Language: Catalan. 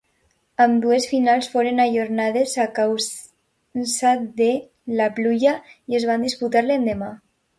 Ambdues finals foren ajornades a causa de la pluja i es van disputar l'endemà.